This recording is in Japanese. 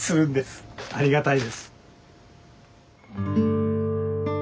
ありがたいです。